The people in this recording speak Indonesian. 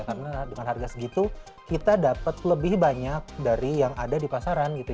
karena dengan harga segitu kita dapat lebih banyak dari yang ada di pasaran gitu